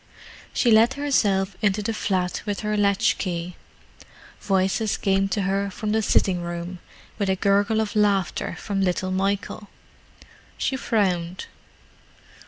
She let herself into the flat with her latch key. Voices came to her from the sitting room, with a gurgle of laughter from little Michael. She frowned.